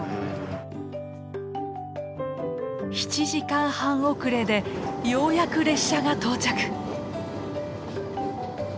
７時間半遅れでようやく列車が到着。